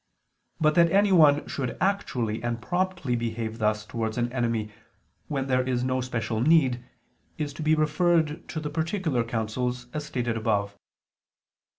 But that anyone should actually and promptly behave thus towards an enemy when there is no special need, is to be referred to the particular counsels, as stated above.